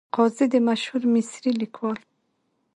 قاضي د مشهور مصري لیکوال .